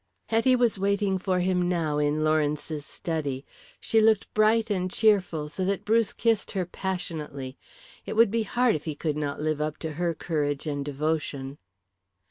Hetty was waiting for him now in Lawrence's study. She looked bright and cheerful so that Bruce kissed her passionately. It would be hard if he could not live up to her courage and devotion.